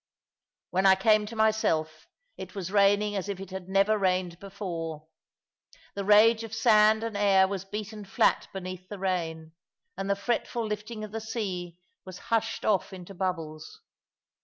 When I came to myself it was raining as if it had never rained before. The rage of sand and air was beaten flat beneath the rain, and the fretful lifting of the sea was hushed off into bubbles.